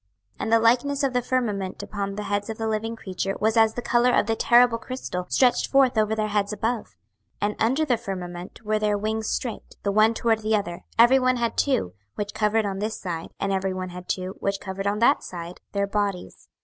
26:001:022 And the likeness of the firmament upon the heads of the living creature was as the colour of the terrible crystal, stretched forth over their heads above. 26:001:023 And under the firmament were their wings straight, the one toward the other: every one had two, which covered on this side, and every one had two, which covered on that side, their bodies.